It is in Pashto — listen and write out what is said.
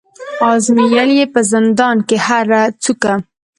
آزمېیل یې په زندان کي هره څوکه